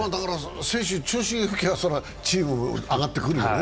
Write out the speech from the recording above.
選手の調子が上がれば、チームも上がってくるよね。